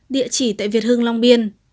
địa chỉ tại việt hương long biên